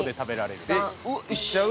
えっいっちゃう？